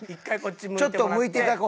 ちょっと向いて頂こう